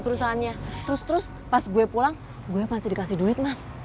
perusahaannya terus terus pas gue pulang gue pasti dikasih duit mas